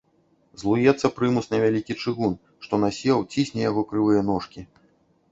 Злуецца прымус на вялікі чыгун, што насеў, цісне яго крывыя ножкі.